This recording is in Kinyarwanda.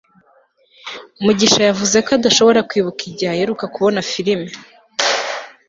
mugisha yavuze ko adashobora kwibuka igihe aheruka kubona firime